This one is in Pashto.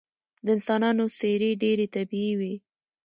د انسانانو څیرې ډیرې طبیعي وې